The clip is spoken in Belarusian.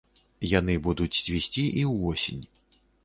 Яны будуць цвісці і ўвосень.